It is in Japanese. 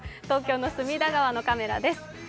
東京の隅田川のカメラです。